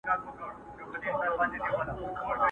ښایسته ملکه سمه لېونۍ سوه؛